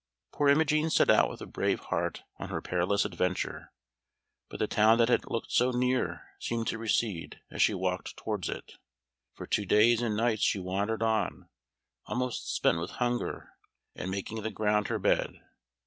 Poor Imogen set out with a brave heart on her perilous adventure, but the town that had looked so near seemed to recede as she walked towards it. For two days and nights she wandered on, almost spent with hunger, and making the ground her bed.